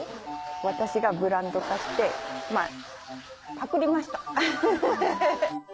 私がブランド化してまぁパクりましたハハハ。